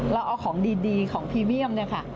เราเอาของดีของพรีเมียมเนี่ยค่ะ